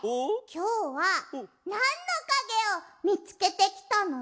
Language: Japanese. きょうはなんのかげをみつけてきたの？